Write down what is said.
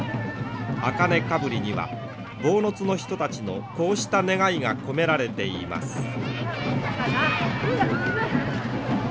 茜かぶりには坊津の人たちのこうした願いが込められています。